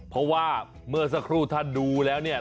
เพราะว่าเมื่อสักครู่ถ้าดูแล้วเนี่ย